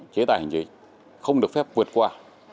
chế tải hành chính không được phép vượt qua